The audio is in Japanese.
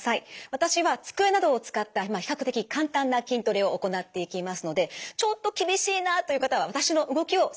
私は机などを使った比較的簡単な筋トレを行っていきますのでちょっと厳しいなという方は私の動きを参考にしてください。